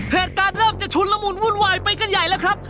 เหตุการณ์เริ่มจะชุนละมุนวุ่นวายไปกันใหญ่แล้วครับ